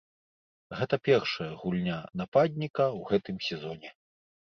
Гэта першая гульня нападніка ў гэтым сезоне.